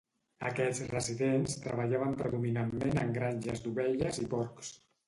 Aquests resident treballaven predominantment en granges d'ovelles i porcs.